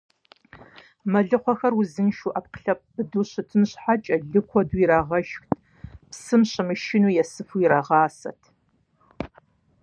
Мэлыхъуэхьэр узыншэу, Ӏэпкълъэпкъ быдэу щытын щхьэкӀэ лы куэду ирагъэшхырт, псым щымышынэу, ерсыфу ирагъасэрт.